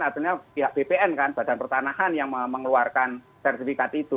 artinya pihak bpn kan badan pertanahan yang mengeluarkan sertifikat itu